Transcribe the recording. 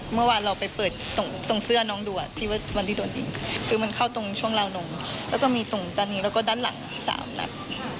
เมื่อวานเราไปเปิดตรงเสื้อน้องดัวคือมันเข้าตรงช่วงราวนมแล้วก็มีตรงตรงนี้แล้วก็ด้านหลัง๓นัด